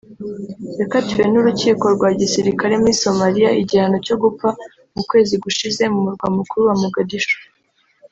yakatiwe n’urukiko rwa gisirikare muri Somalia igihano cyo gupfa mu kwezi gushize mu murwa mukuru Mogadishu